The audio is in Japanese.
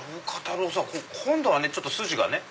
今度はちょっと筋がね